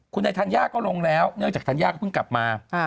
คุณนายธัญญาก็ลงแล้วเนื่องจากธัญญาก็เพิ่งกลับมา